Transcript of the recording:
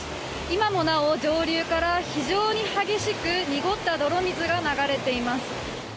今もなお上流から非常に激しく濁った泥水が流れています。